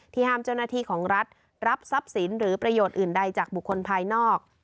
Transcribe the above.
ห้ามเจ้าหน้าที่ของรัฐรับทรัพย์สินหรือประโยชน์อื่นใดจากบุคคลภายนอก